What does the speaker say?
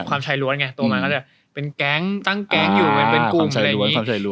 ชายล้วนไงตัวมันก็จะเป็นแก๊งตั้งแก๊งอยู่เป็นกลุ่มอะไรอย่างนี้